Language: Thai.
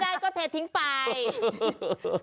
กินไม่ได้ก็จะทิ้งไป